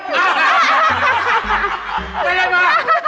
ไม่ได้มา